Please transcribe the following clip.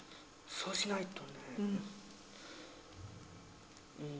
そうしないと？